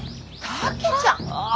竹ちゃん！